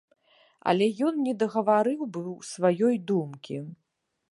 Але ён не дагаварыў быў сваёй думкі.